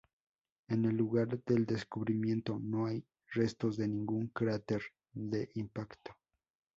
En el lugar del descubrimiento no hay restos de ningún cráter de impacto.